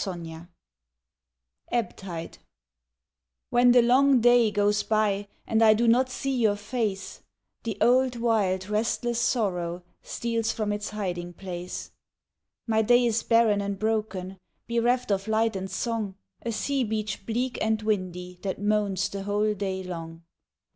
Ebb Tide When the long day goes by And I do not see your face, The old wild, restless sorrow Steals from its hiding place. My day is barren and broken, Bereft of light and song, A sea beach bleak and windy That moans the whole day long.